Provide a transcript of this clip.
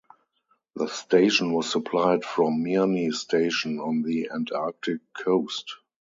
The station was supplied from Mirny Station on the Antarctic coast.